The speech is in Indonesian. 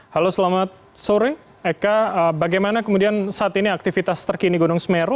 halo selamat sore eka bagaimana kemudian saat ini aktivitas terkini gunung semeru